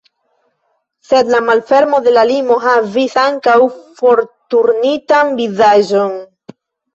Sed la malfermo de la limo havis ankaŭ forturnitan vizaĝon.